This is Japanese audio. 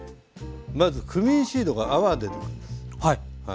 まずクミンシードが泡出てくるんです。